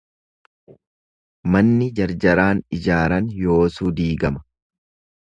Manni jarjaraan ijaaran yoosuu diigama.